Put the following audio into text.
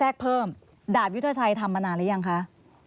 เพิ่มดาบยุทธชัยทำมานานหรือยังคะ